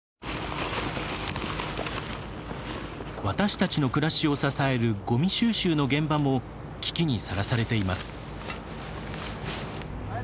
私たちの暮らしを支えるごみ収集の現場も危機にさらされています。